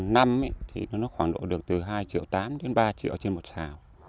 năm thì nó khoảng độ được từ hai triệu tám đến ba triệu trên một xào